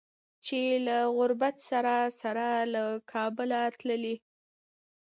چې له غربت سره سره له کابله تللي